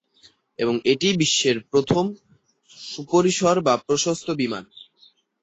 এবং এটিই বিশ্বের প্রথম সুপরিসর বা প্রশস্ত বিমান।